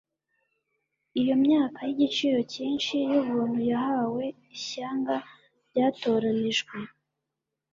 iyo myaka y'igiciro cyinshi y'ubuntu yahawe ishyanga ryatoranijwe